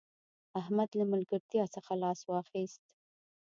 احمد له ملګرتیا څخه لاس واخيست